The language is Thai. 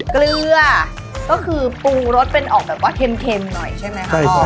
เกลือก็คือปูรสเป็นออกแบบว่าเค็มหน่อยใช่ไหมคะพ่อ